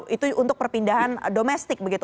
itu untuk perpindahan domestik begitu